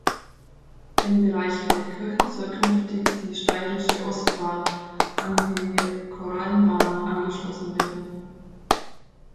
Im Bereich Feldkirchen soll künftig die Steirische Ostbahn an die Koralmbahn angeschlossen werden.